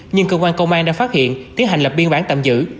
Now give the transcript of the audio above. nhưng cơ quan công an đã phát hiện tiến hành lập biên bản tạm giữ